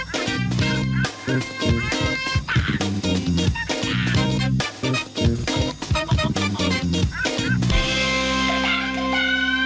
เพิ่มเวลา